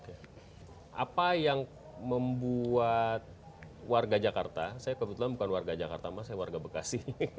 apa yang membuat warga jakarta saya kebetulan bukan warga jakarta mas saya warga bekasi